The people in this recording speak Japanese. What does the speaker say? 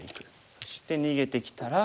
そして逃げてきたら。